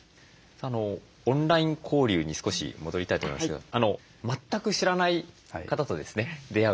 オンライン交流に少し戻りたいと思いますけど全く知らない方とですね出会う